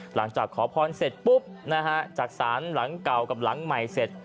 หลังจากขอพรเสร็จปุ๊บนะฮะจากศาลหลังเก่ากับหลังใหม่เสร็จ